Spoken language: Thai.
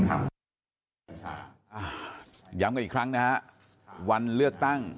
การสอบส่วนแล้วนะ